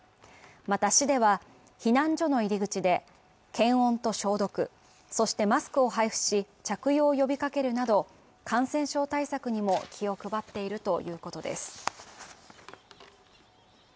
また市では避難所の入り口で検温と消毒、そしてマスクを配布し、着用を呼びかけるなど感染症対策にも気を配っているということです。